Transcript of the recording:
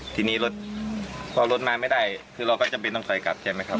ทีนี้รถพอรถมาไม่ได้คือเราก็จำเป็นต้องคอยกลับใช่ไหมครับ